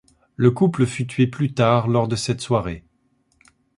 Le couple fut tué plus tard lors de cette soirée.